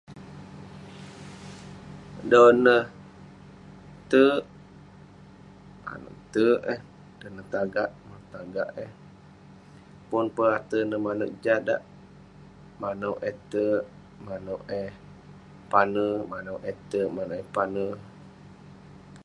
Dan neh teik amik teik eh dan neh tagak mauk tagak eh pun peh atei neh manouk Jah dak manouk eh teik manouk eh pane manouk eh teik manouk eh pane